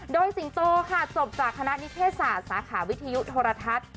โดยสิงโตค่ะจบจากคณะนิเทศศาสตร์สาขาวิทยุโทรทัศน์